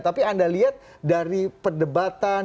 tapi anda lihat dari perdebatan